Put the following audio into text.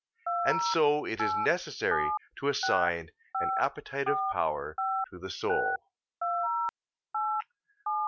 And so it is necessary to assign an appetitive power to the soul.